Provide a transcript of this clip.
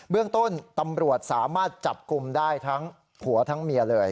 เรื่องต้นตำรวจสามารถจับกลุ่มได้ทั้งผัวทั้งเมียเลย